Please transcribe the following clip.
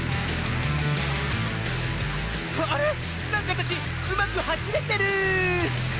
あれ⁉なんかわたしうまくはしれてる！